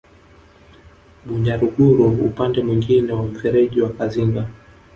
Bunyaruguru upande mwingine wa mfereji wa Kazinga